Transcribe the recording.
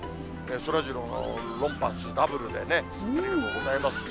そらジロー、ロンパースダブルでね、ありがとうございます。